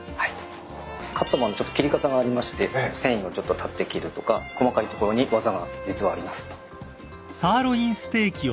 カットもちょっと切り方がありまして繊維をちょっと裁って切るとか細かいところに技が実はあります。